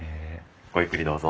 ごゆっくりどうぞ。